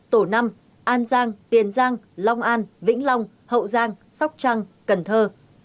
tổ năm an giang tiền giang long an vĩnh long hậu giang sóc trăng cần thơ